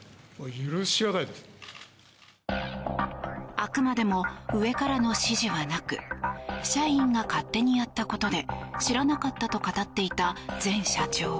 あくまでも上からの指示はなく社員が勝手にやったことで知らなかったと語っていた前社長。